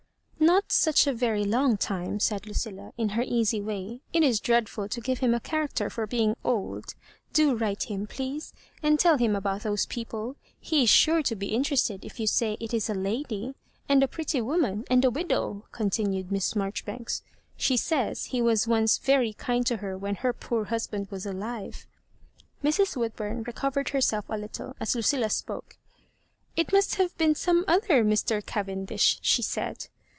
*' Not such a very long time," said Lucilla, in her easy way. ^ It is dreadful to give him a cliaracter for being old. Do write Mm, please, and tell him about those people. He is sure to be interested if you say it is a lady, and a pretty woman, and a widow," continued Miss Marjoribanks. "She says he was oncse very kind to her when her poor husband was aliva" Mrs. Woodbum reeovered herself a little, as LuciUa spoke. *^ It must have been some oUier Mr. Cavendish," she said.